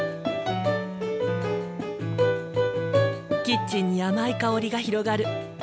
キッチンに甘い香りが広がる。